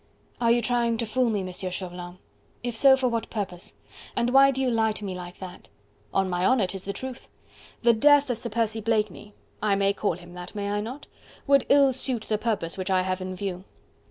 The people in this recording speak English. "Are you trying to fool me, M. Chauvelin? If so, for what purpose? And why do you lie to me like that?" "On my honour, 'tis the truth. The death of Sir Percy Blakeney I may call him that, may I not? would ill suit the purpose which I have in view."